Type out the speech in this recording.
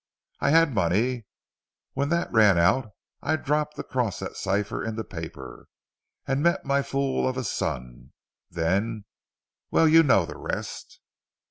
I had money. When that ran out I dropped across that cipher in the paper, and met my fool of a son. Then well you know the rest."